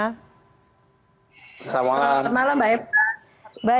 selamat malam mbak eva